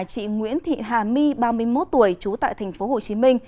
chị nguyễn thị hà my ba mươi một tuổi trú tại tp hcm